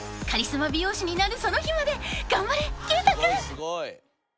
［カリスマ美容師になるその日まで頑張れ啓太君］